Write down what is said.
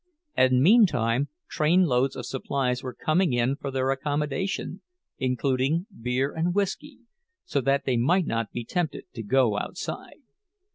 And meantime trainloads of supplies were coming in for their accommodation, including beer and whisky, so that they might not be tempted to go outside.